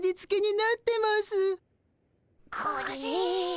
これ。